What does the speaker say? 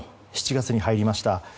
７月に入りました。